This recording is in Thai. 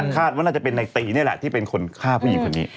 คาดว่าน่าจะเป็นในตีนี่แหละที่เป็นคนฆ่าผู้หญิงคนนี้